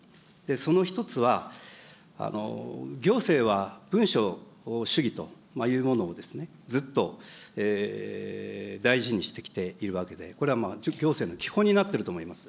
その１つは、行政は文書をしゅぎというものをずっと大事にしてきているわけで、これはまあ、行政の基本になっていると思います。